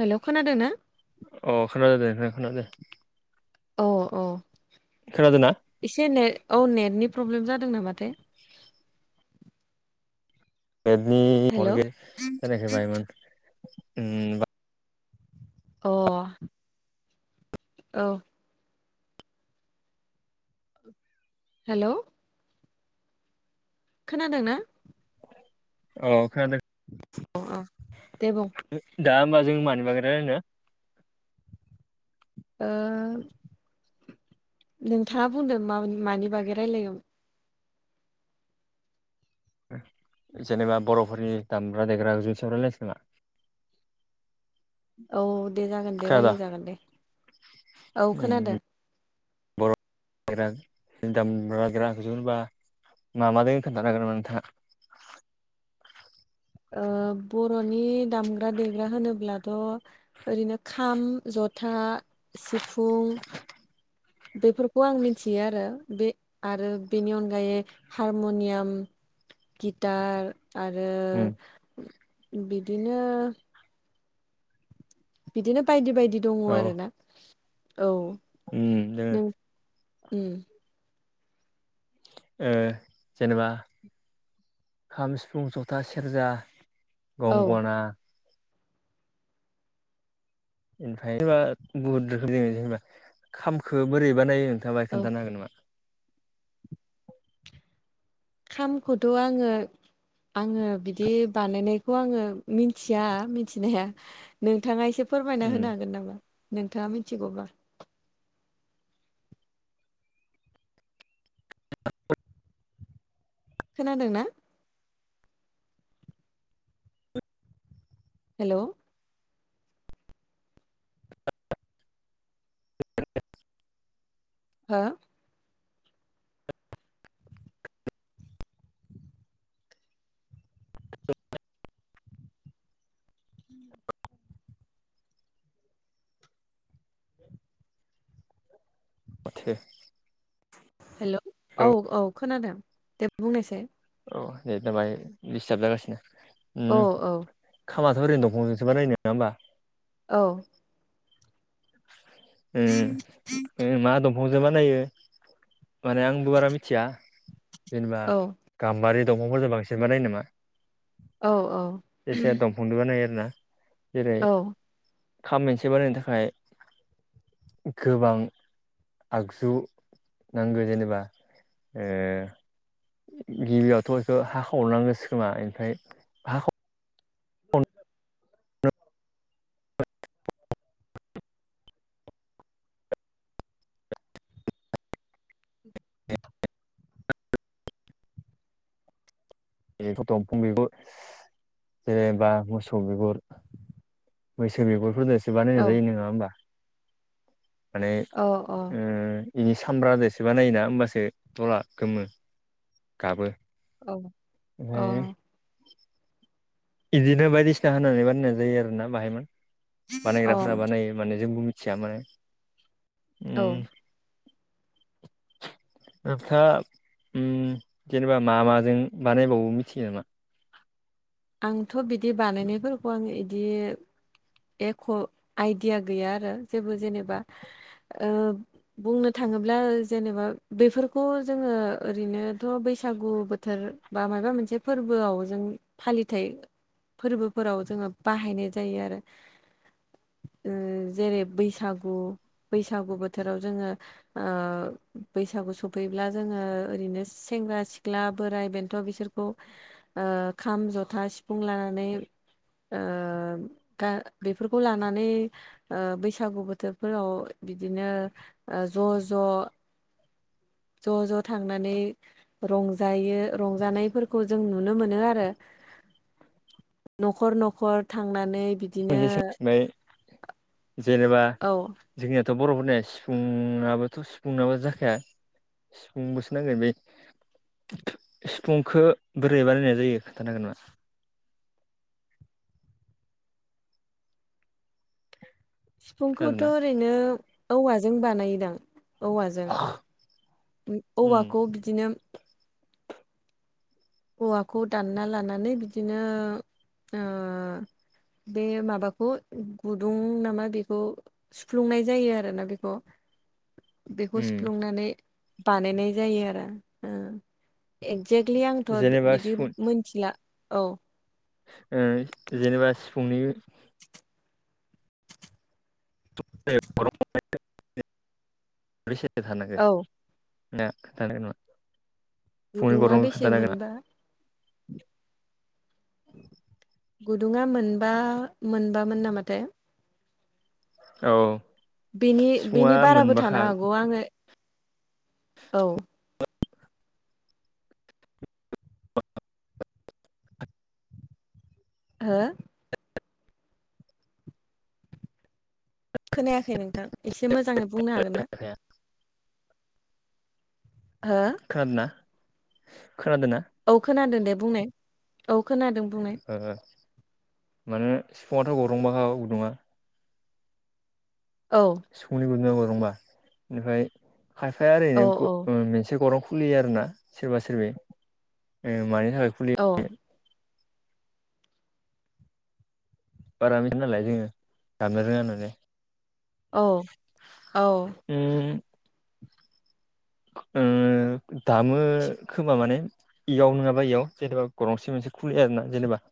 हेल' खोनादों ना अ खोनादों दे खोनादों औ अ खोनादोंना एसे नेट औ नेटनि प्रब्लेम जादों नामाथाय नेटनि हेलौ प्रब्लेम जानायखाय बायमान [unintelligible] अ औ हेल' खोनादों ना औ खोनादों अ दे बुं दा होमबा जों मानि बागै रायज्लायनो ओ नोंथाङा बुंदों मा मानि बागै रायलायो जेनेबा बर'फोरनि दामग्रा देग्रा आगजुनि सायाव रायलायनोसै नामा औ दे जागोन दे खोनादों रायलाय जागोन दे उम औ खोनादों [unintelligible] बर' दामग्रा ग्रा आगजु होनबा मा मा दोङो खोन्थानो हागोन नामा नोंथाङा ओ बर'नि दामग्रा देग्रा होनोब्लाथ' ओरैनो खाम, जथा, सिफुं बेफोरखौ आं मिथियो आरो बे आरो बेनि अनगायै हारमुनियाम गिटार आरो उम बिदिनो बिदिनो बायदि बायदि दङ' औ आरो ना औ। उम दे। नों उम। ओ जेनेबा खाम, सिफुं, जथा, सेरजा औ गंगना ओमफ्राय जेनबा गुबुन रोखोममै जोङो जेनेबा खामखो बोरै बानायो नोंथाङा बाहा औ खोनन्थानो हागोन नामा? खामखौथ' आङो आङो बिदि बानायनायखौ आङो मिथिया मिथिनाया। नोंथाङा एसे फोरमायना उम होनो हागोन नामा नोंथाङा मिथिगौब्ला? [unintelligible] खोनादों ना? हेल' [unintelligible] हो उ [inaudible] माथो हेलौ औ औ खोनादों दे बुंनोसै औ नेटा बाय दिडिस्टार्ब जागासिनो औ उम औ खामाथ' ओरैनो दंफां जों बानायो नङा होनबा। औ। उम ओ मा दंफां दंफंजो बानायो माने आंबो बारा मिथिया जेनेबा औ गाम्बारि दंफंखौ जों बांसिन बानायो नामा औ औ जेसे फंदु बानायो आरो ना जेरै औ खाम मेनसे बानायनो थाखाय गोबां आगजु नांगो जेनेबा ओ गिबियावथ' इखौ हाखावनांगोसो खोमा ओमफ्राय [unintelligible] बेखौ दंफं बिगुर जेनेबा मोसौ बिगुर मैसो बेगुरफोरदोसो बानायनाय औ जायो नोङा होमबा। माने अ ओ बेनि सामब्राजोसो बानायोना होमबासो दला गोमो गाबो। औ अ ओमफ्राय इदिनो बायदिसिना होनानै बानायनाय जायो आरोना बाहायमोन बानायग्राफोरा बानायो। माने जोंबो मिथिया माने औ उम [inaudible] थाङा उम जेनेबा मा माजों बानायबावो मिथियो नामा? आंथ' बिदि बानायनायफोरखौ आं इदि एख' आइडिया गैया आरो जेबो जेनेबा ओ बुंनो थांङोब्ला जेनेबा बेफोरखौ जोंङो ओरैनोथ' बैसागु बोथोर बा मायबा मोनसे फोरबोआव जों फालिथाय फोरबोफोराव जोंङो बाहायनाय जायो आरो। ओ जेरै बैसागु बैसागु बोथोराव जोंङो ओ बैसागु सफैब्ला जोंङो ओरैनो सेंग्रा- सिख्ला, बोराय- बेन थ' ओ बिसोरखौ खाम, जथा, सिफुं लानानै ओ गा बेफोरखौ लानानै ओ बैसागु बोथोरफोराव बिदिनो ओ ज'-ज' ज' ज' थांनानै रंजायो रंजानायफोरखौ जों नुनो मोनो आरो। न'खर न'खर थांनानै बिदिनो महसे सोंनाय जेनेबा औ जोंनियाथ' बर'फोरनिया सिफुङाबोथ' सिफुंनाबो जाखाया। सिफुंबोसो नांगोन बै सिफुंखौ बोरै बानायनाय जायो खोनथानो हागोन नामा? सिफुंखौथ' खोनादोंना ओरैनो औवाजों बानायोदां। औवाजों उम औवाखौ बिदिनो औवाखौ दानना लानानै बिदिनो ओ बे माबाखौ गुदुं नामा बेखौ सुफ्लुंनाय जायो आरोना बेखौ बेखौ उम सुफ्लुंनानै बानायनाय जायो आरो एक्जेक्लि आं थ' जेनेबा बिदि सिफुं मिथिला औ ओ जेनेबा सिफुंनि [inaudible] [unintelligible] औ [unintelligible] फुंनि गुदुङा गौरांखौ बेसे खोन्थानो हागोन मोनबा? गुदुङा मोनबा मोनबामोन नामाथाय? औ बेनि सिफुङा बेनि बाराबो मोनबाखा थानो हागौ आङो औ [inaudible] ओ खोनायाखै नोंथां एसे मोजाङै बुंनो हागोन ना? ओ खोनादों ना खोनादों ना? औ खोनादों दे बुंनाय औ खोनादों बुंनाय। माने सिफुङाथ' गौरंबाखा गुदुङा। औ सिफुंनि गुदुं गरंबा ओमफ्राय खायफाया औ ओरैनो औ मोनसे गर खुलियो आरो ना सोरबा सोरब मानि थाखाय खुलियो औ बारा बिदि नालाय जोङो दामनो रोङा नालाय। औ औ उम उम दामो खोमा माने? इयाव नङाबा इयाव जेनेबा गरंसे मोनसे खुलियो आरो ना जेनेबा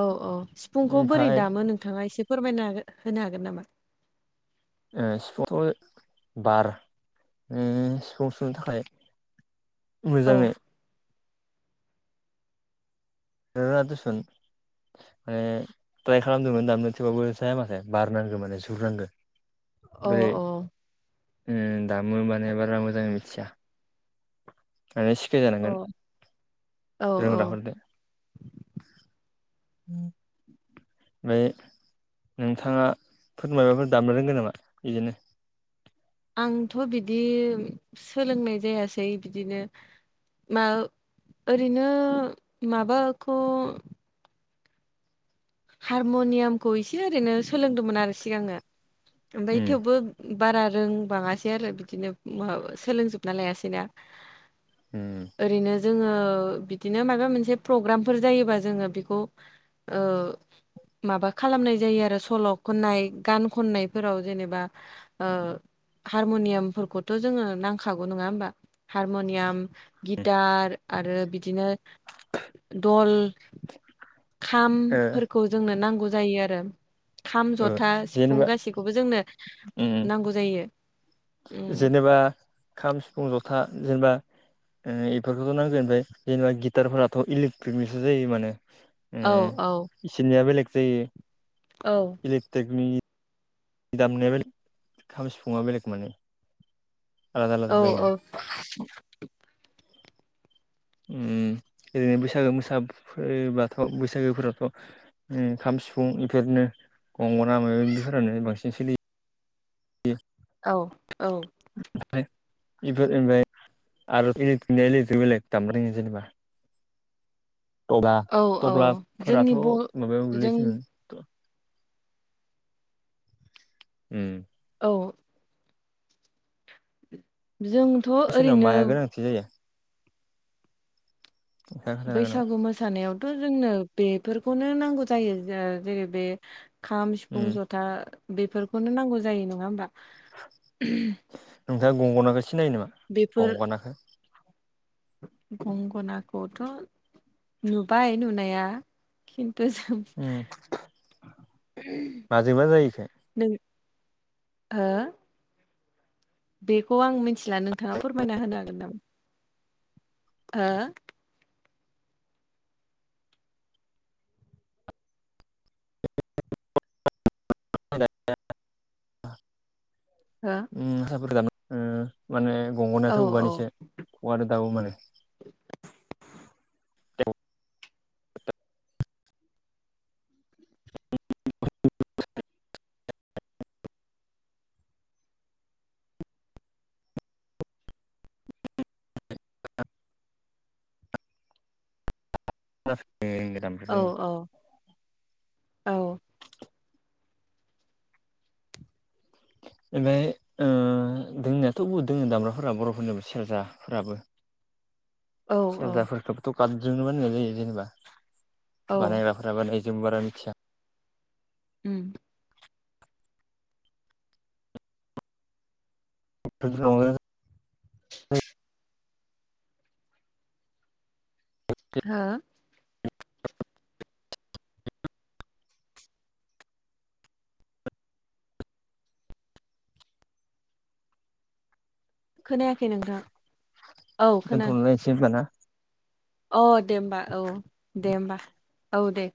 औ औ सिफुंखौ बोरै ओमफ्राय दामो नोंथाङा एसे फोरमायनो हागोन होनो हागोन नामा? ओ सिफुंखौ बार सिफुं सुनो थाखाय औ मोजाङै नोङो दुसुन माने ट्राय खालामदोंमोन थारमाने थेवबाबो जाया माथो बारनांगौ माने सिफुं दामनो। अ बै अ दामो माने बारा मोजां मिथिया। माने अ सिखायजानांगोन औ औ रोंग्रा फोरजों। [inaudible] ओमफ्राय नोंथाङा फोरमायबाफोर दामनो रोंगोन नामा बिदिनो? आंथ' बिदि सोलोंनाय जायासै बिदिनो मा ओरैनो माबाखौ हारम'नियामखौ एसे ओरैनो सोलोंदोंमोन आरो सिगाङो ओमफ्राय उम थेवबो बारा रोंबाङासै आरो बिदिनो म सोलोंजोबना लायासैना। उम। ओरैनो जोङो बिदिनो माबा मोनसे प्रग्रामफोर जायोबा जोङो बेखौ ओ। माबा खालामनाय जायो आरो सल' खननाय गान खननायफोराव जेनेबा। ओ हारम'नियामफोरखौथ' जोङो नांखागौ नङा होमबा। हारमनियाम गिटार आरो बिदिनो दल ओ खामफोरखौ जोंनो नांगौ जायो आरो। खाम ओ जथा सिफुं जेनेबा गासैखौबो जोंनो उम नांगौ जायो। उम जेनेबा खाम सिफुं जथा जेनेबा बेफोरखौथ' नांगोन ओमफ्राय जेनेबा गिटारफोराथ' इलेकट्रिकनिसो जायो माने। औ औ उ इसोरनिया बेलेग जायो। औ। दिसट्रिकनि दामनाया बेलेग खाम सिफुा बेलेग माने। आलादा आलादा औ जायोना औ। ओ ओरैनो बैसागो मोसाबाथ' बैसागोफोरावथ' खाम सिफुं बेफोरनो गंगना माबा माबि फोरानो बांसिन सोलियो। बे औ औ। ओमफ्राय बेफोर ओमफ्राय आरो बेलेकनिफ्राय बेलेक दामनाय जायो जेनेबा। तब्ला औ औ जोंनि तब्लाफोराथ' ब माबायाव जों गोग्लैसिगोन। ओं। औ। जों सोरनाव माया गोनांथि जायो? नोंथाङा खोन्थानो हागोन नामा बैसागु मोसानायावथ' जोंनो बेफोरखौनो नांगौ जायो। जेरै बे खाम, उम सिफुं, जथा बेफोरखौनो नांगौ जायो नङा होनबा। नोंथाङा गंगनाखो सिनायो नामा बेफोर गंगनाखो? गंगनाखौथ' नुबाय नुनाया खिन्थु जों उम माजोंबा जायोखो। नों हो? बेखौ आं मिथिला नोंथाङा फोरमायना होनो हागोन नामा? ओ। [unintelligible] हो? उम साफोर दाब माने गंगोनायाथ' हो हो औवानिसो औवादो दामो माने। [unintelligible] [unintelligible] औ औ औ। ओमफ्राय ओ दोंनायाथ' बुहुत दङ दामग्राफोरा बर'फोरनि सेर्जाफोराबो। [inaudible] औ सेर्जाफोरखौबोथ' गाबजोनो बानायनाय जायो जेनेबा औ बानायग्रा जोंबो बारा मिथिया। उम। बैफोरावनो हो? खोनायाखै नोंथां। औ खोना दोनथ'लायनोसै होमबा ना। अ दे ओमबा औ दे ओमबा औ दे।